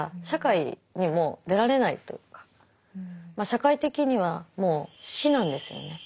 社会的にはもう死なんですよね